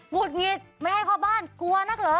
ุดหงิดไม่ให้เข้าบ้านกลัวนักเหรอ